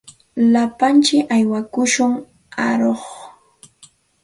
Lapantsik aywapaakushun aruq.